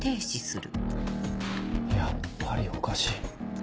やっぱりおかしい。